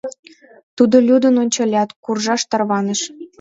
— тудо лӱдын ончалят, куржаш тарваныш.